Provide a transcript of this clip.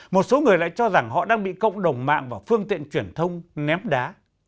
một số người lại cho rằng họ đang bị cộng đồng mạng và phương tiện truyền thông ném đá